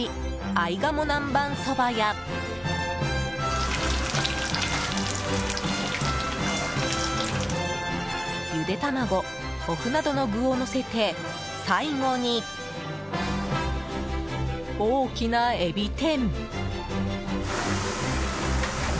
合鴨南ばんそばやゆで卵、お麩などの具をのせて最後に大きなエビ天！